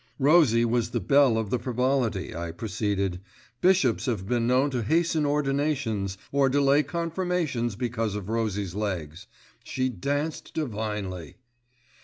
"Rosie was the belle of the Frivolity," I proceeded, "Bishops have been known to hasten ordinations, or delay confirmations because of Rosie's legs. She danced divinely!"